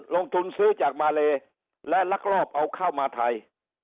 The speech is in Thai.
ลงทุนซื้อจากมาเลและลักลอบเอาเข้ามาไทย